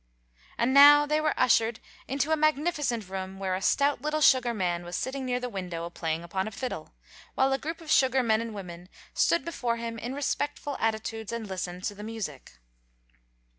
And now they were ushered into a magnificent room, where a stout little sugar man was sitting near the window playing upon a fiddle, while a group of sugar men and women stood before him in respectful attitudes and listened to the music.